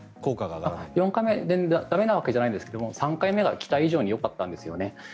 ４回目が駄目なわけじゃないんですが３回目が期待以上によかったんですよね。